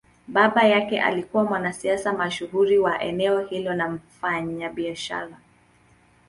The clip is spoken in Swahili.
Baba yake alikuwa mwanasiasa mashuhuri wa eneo hilo na mfanyabiashara.